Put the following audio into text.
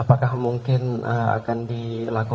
apakah mungkin akan dikonsultasi dengan pak prabowo